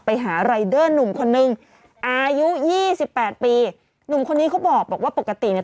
ไปหารายเดอร์หนุ่มคนนึงอายุยี่สิบแปดปีหนุ่มคนนี้เขาบอกว่าปกติเนี่ย